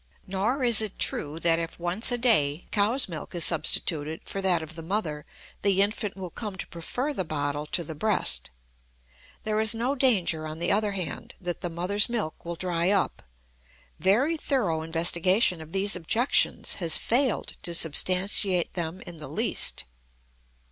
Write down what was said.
Nor is it true that if once a day cow's milk is substituted for that of the mother, the infant will come to prefer the bottle to the breast. There is no danger, on the other hand, that the mother's milk will dry up. Very thorough investigation of these objections has failed to substantiate them in the least.